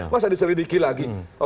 masih diselidiki lagi